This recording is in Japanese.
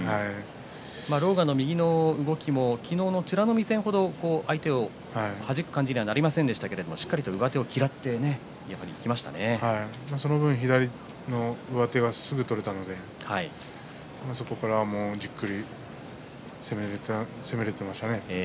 狼雅の右の動きも昨日の美ノ海戦程相手をはじく感じにはなりませんでしたが、しっかりとその分左の上手がすぐに取れたのでそこから、じっくり攻めることができましたね。